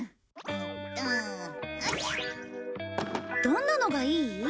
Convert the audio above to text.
どんなのがいい？